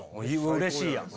うれしいやん。